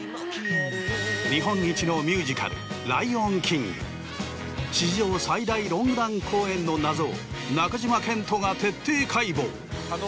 日本一のミュージカル『ライオンキング』史上最大ロングラン公演の謎を中島健人が徹底解剖。